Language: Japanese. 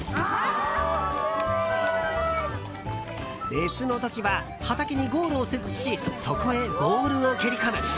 別の時は、畑にゴールを設置しそこへボールを蹴り込む！